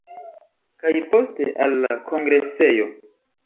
Kaj poste al la kongresejo.